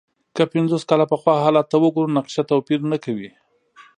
که پنځوس کاله پخوا حالت ته وګورو، نقشه توپیر نه کوي.